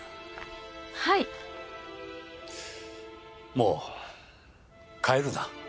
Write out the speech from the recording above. もう帰るな。